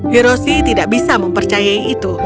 hiroshi tidak bisa mempercayai itu